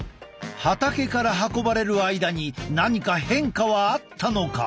畑から運ばれる間に何か変化はあったのか？